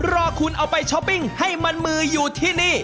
รอคุณเอาไปช้อปปิ้งให้มันมืออยู่ที่นี่